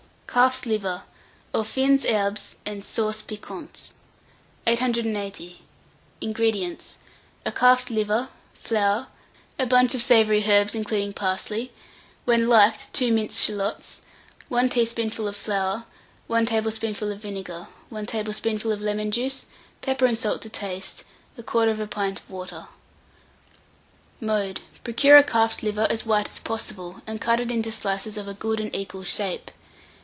CALF'S LIVER AUX FINES HERBES & SAUCE PIQUANTE. 880. INGREDIENTS. A calf's liver, flour, a bunch of savoury herbs, including parsley; when liked, 2 minced shalots; 1 teaspoonful of flour, 1 tablespoonful of vinegar, 1 tablespoonful of lemon juice, pepper and salt to taste, 1/4 pint water. Mode. Procure a calf's liver as white as possible, and cut it into slices of a good and equal shape.